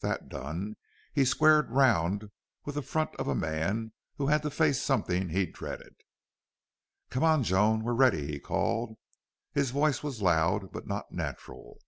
That done, he squared around with the front of a man who had to face something he dreaded. "Come on, Joan. We're ready," he called. His voice was loud, but not natural.